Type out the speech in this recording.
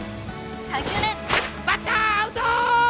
３球目バッターアウト！